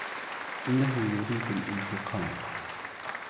إنهُ يريد الإنتقام.